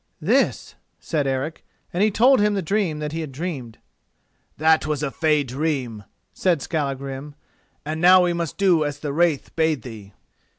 "This," said Eric, and he told him the dream that he had dreamed. "That was a fey dream," said Skallagrim, "and now we must do as the wraith bade thee."